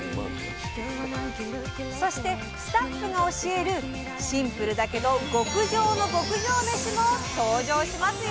そしてスタッフが教えるシンプルだけど極上の牧場メシも登場しますよ！